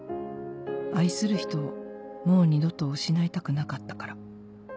愛する人をもう二度と失いたくなかったから。